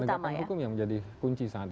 penegakan hukum yang menjadi kunci sangat